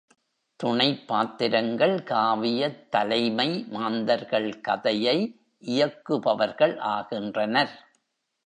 துணைப் பாத்திரங்கள் காவியத் தலைமை மாந்தர்கள் கதையை இயக்கு பவர்கள் ஆகின்றனர்.